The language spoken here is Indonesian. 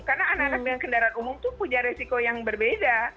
karena anak anak yang kendaraan umum itu punya resiko yang berbeda